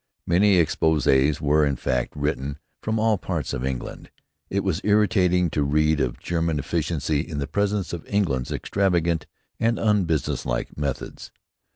Many exposés were, in fact, written from all parts of England. It was irritating to read of German efficiency in the presence of England's extravagant and unbusinesslike methods.